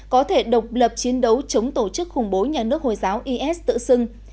có thể độc lập chiến đấu chống tổ chức khủng bố nhà nước hồi giáo is tự xưng